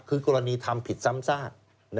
คือกรณีทำผิดซ้ำซาก